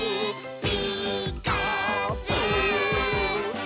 「ピーカーブ！」